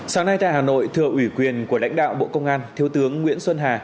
sáng nay tại hà nội thừa ủy quyền của lãnh đạo bộ công an thiếu tướng nguyễn xuân hà